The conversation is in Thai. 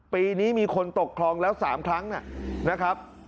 ปีนี้มีคนตกคลองแล้ว๓ครั้งนะครับ